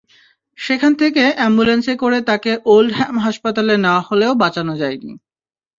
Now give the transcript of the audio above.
সেখান থেকে অ্যাম্বুলেন্সে করে তাঁকে ওল্ডহ্যাম হাসপাতালে নেওয়া হলেও বাঁচানো যায়নি।